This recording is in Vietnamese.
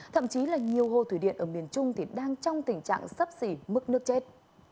thậm chí là nhiều hồ thủy điện ở miền trung đang trong tình trạng sấp xỉ mức nước chết